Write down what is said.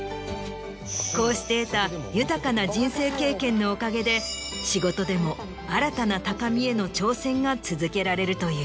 こうして得た豊かな人生経験のおかげで仕事でも新たな高みへの挑戦が続けられるという。